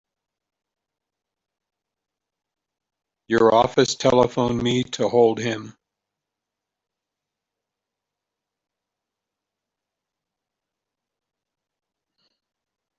Your office telephoned me to hold him.